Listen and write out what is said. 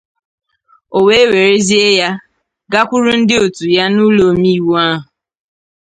O wee werezie ya gakwuru ndị òtù ya n'ụlọ omeiwu ahụ.